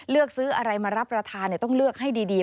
เลือกซื้ออะไรมารับประทานต้องเลือกให้ดี